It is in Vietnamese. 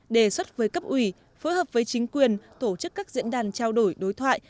đề xuất với cấp ủy phối hợp với chính quyền tổ chức các diễn đàn trao đổi đối thoại